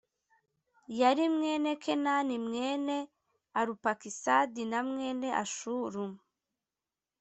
yari mwene kenani mwene arupakisadi na mwene ashulu